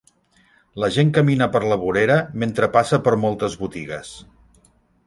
La gent camina per la vorera mentre passa per moltes botigues.